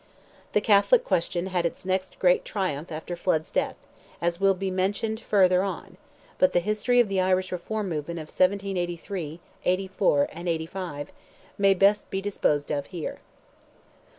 The Catholic question had its next great triumph after Flood's death, as will be mentioned further on; but the history of the Irish reform movement of 1783, '84, and '85, may best be disposed of here.